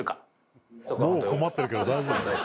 もう困ってるけど大丈夫？